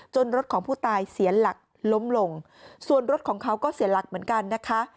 รถของผู้ตายเสียหลักล้มลงส่วนรถของเขาก็เสียหลักเหมือนกันนะคะ